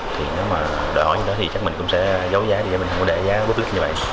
thì nếu mà đòi hỏi như đó thì chắc mình cũng sẽ giấu giá để mình không có để giá bất cứ như vậy